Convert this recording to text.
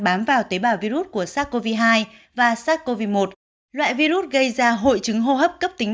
bám vào tế bào virus của sars cov hai và sars cov một loại virus gây ra hội trứng hô hấp cấp một năm